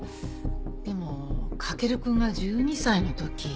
でも駆くんが１２歳の時。